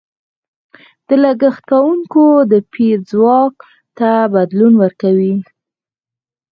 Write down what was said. د لګښت کوونکو د پېر ځواک ته بدلون ورکوي.